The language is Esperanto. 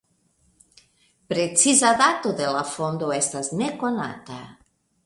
Preciza dato de la fondo estas nekonata.